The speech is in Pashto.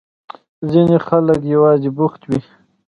ځينې خلک يوازې بوخت وي.